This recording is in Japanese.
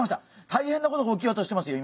大変なことが起きようとしてますよ